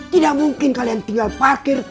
tidak mungkin kalian tinggal parkir